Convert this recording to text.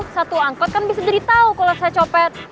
satu angkot kan bisa jadi tahu kalau saya copet